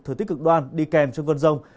thời tiết cực đoan đi kèm trong cơn rông